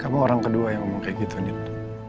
kamu orang kedua yang ngomong kayak gitu nita